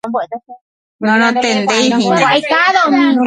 Norontendeihína.